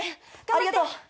ありがとう。